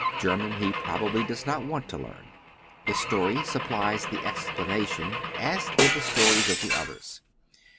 German he probably does not want to learn. His story supplies the explanation, as did the stories of the others.